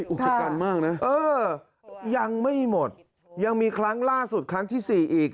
อุกชกันมากนะเออยังไม่หมดยังมีครั้งล่าสุดครั้งที่สี่อีก